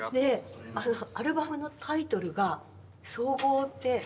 アルバムのタイトルが「総合」って。